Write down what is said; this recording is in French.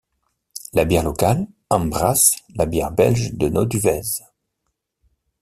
La bière locale: Ambras, la bière Belge de Noduwez.